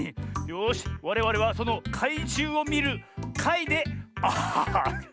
よしわれわれはそのかいじゅうをみるかいである。